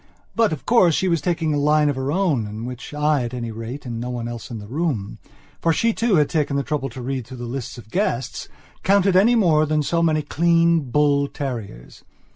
But, of course, she was taking a line of her own in which I at any rateand no one else in the room, for she too had taken the trouble to read through the list of guestscounted any more than so many clean, bull terriers.